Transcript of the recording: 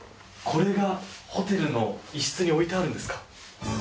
これがホテルの一室に置いてあるんですか？